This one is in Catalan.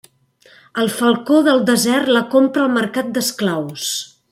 El Falcó del Desert la compra al mercat d’esclaus.